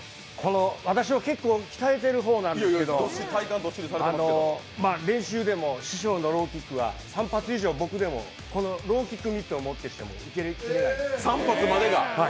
私も結構鍛えてる方なんですけど、練習でも師匠のローキックは３発以上、僕でもこのローキックミットを持ってしても受けきれないです。